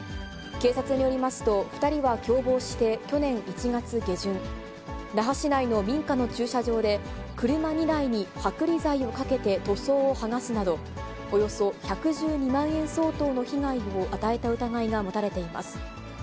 警察によりますと、２人は共謀して去年１月下旬、那覇市内の民家の駐車場で、車２台に剥離剤をかけて塗装を剥がすなど、およそ１１２万円相当の被害を与えた疑いが持たれています。